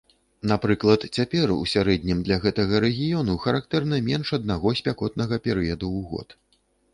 Напрыклад, цяпер у сярэднім для гэтага рэгіёну характэрна менш аднаго спякотнага перыяду ў год.